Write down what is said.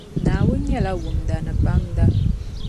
Naawuni nyɛla wumda ni baŋda.